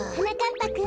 ぱくん。